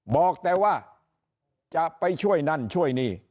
บอกแต่ว่าจะไปช่วยนั่นช่วยนี่